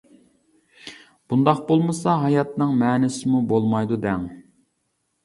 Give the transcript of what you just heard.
— بۇنداق بولمىسا ھاياتنىڭ مەنىسىمۇ بولمايدۇ دەڭ.